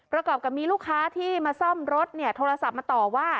ระกอบว่ามีลูกค้าที่มาซ่อมรถโทรศัพท์มาต่อว่า